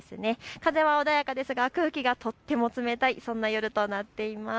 風は穏やかですが空気がとっても冷たい、そんな夜となっています。